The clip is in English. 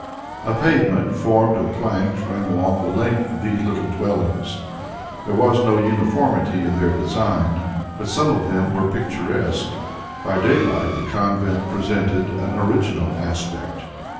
A pavement formed of planks ran along the length of these little dwellings; there was no uniformity in their design, but some of them were picturesque; by daylight the convent presented an original aspect.